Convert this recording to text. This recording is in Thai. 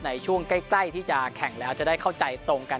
ในช่วงใกล้ที่จะแข่งแล้วจะได้เข้าใจตรงกัน